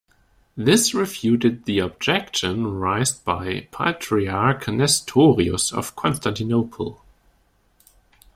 This refuted the objection raised by Patriarch Nestorius of Constantinople.